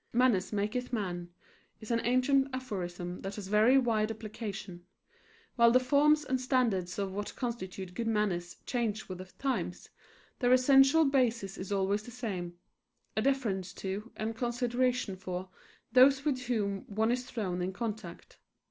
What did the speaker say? "Manners maketh man" is an ancient aphorism that has a very wide application. While the forms and standards of what constitute good manners change with the times, their essential basis is always the same a deference to, and consideration for, those with whom one is thrown in contact.